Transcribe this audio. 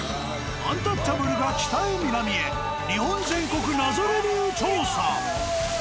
アンタッチャブルが北へ南へ日本全国謎レビュー調査。